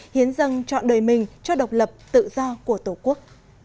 hiến dân chọn đời mình cho độc lập tự do của tổ quốc